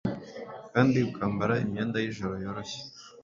kandi ukambara imyenda y’ijoro yoroshye,